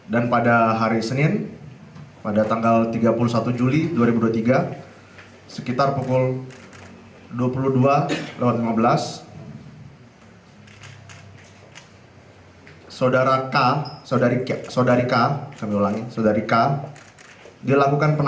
dan pada hari senin pada tanggal tiga puluh satu juli dua ribu dua puluh tiga sekitar pukul dua puluh dua lima belas